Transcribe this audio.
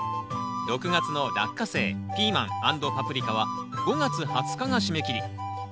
６月の「ラッカセイ」「ピーマン＆パプリカ」は５月２０日が締め切り。